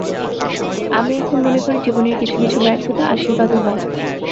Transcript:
আমি এখন সত্যি মনে করি, জীবনের কিছু কিছু ব্যর্থতা আশীর্বাদও হয়।